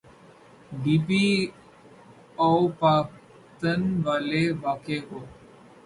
D P O Pakpattan والے واقعے کو۔